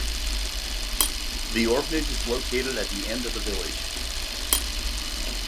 The orphanage is located at the end of the village.